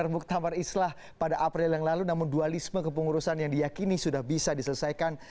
muktamar islah pada april yang lalu namun dualisme kepengurusan yang diyakini sudah bisa diselesaikan